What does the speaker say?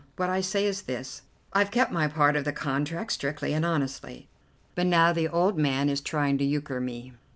What I say is this: I've kept my part of the contract strictly and honestly, but now the old man is trying to euchre me."